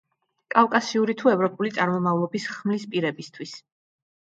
კავკასიური თუ ევროპული წარმომავლობის ხმლის პირებისათვის.